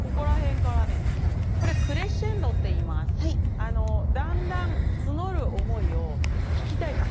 あのだんだん募る思いを聞きたいじゃん。